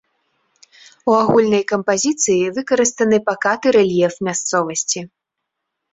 У агульнай кампазіцыі выкарыстаны пакаты рэльеф мясцовасці.